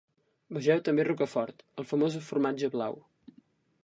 Vegeu també Roquefort, el famós formatge blau.